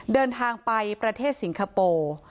เดินทางไปประเทศสิงคโปร์